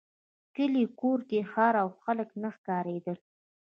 کلی کور ښار او خلک نه ښکارېدل.